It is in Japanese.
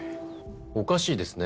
おかしいですね。